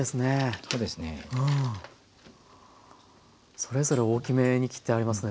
それぞれ大きめに切ってありますね。